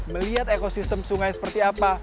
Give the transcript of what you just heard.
melihat ekosistem sungai seperti apa